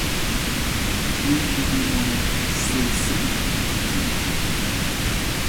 Huy luki munu sel seɗe na ki̧w ki̧w.